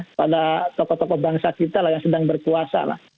kepada tokoh tokoh bangsa kita lah yang sedang berkuasa lah